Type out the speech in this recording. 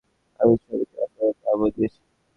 আমি সমিতিকে আপনার নামও দিয়েছি।